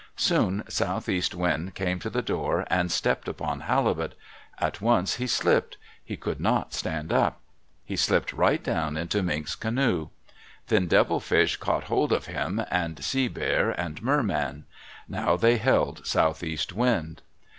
Soon Southeast Wind came to the door and stepped upon Halibut. At once he slipped; he could not stand up. He slipped right down into Mink's canoe. Then Devilfish caught hold of him, and Sea Bear and Merman. Now they held Southeast Wind.